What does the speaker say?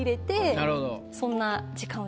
なるほど。